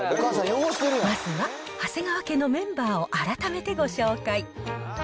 まずは長谷川家のメンバーを改めてご紹介。